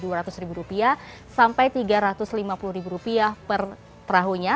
harganya mulai dari dua ratus rupiah sampai tiga ratus lima puluh rupiah per perahunya